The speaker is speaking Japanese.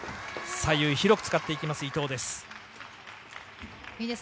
左右広く使っていきます伊藤です。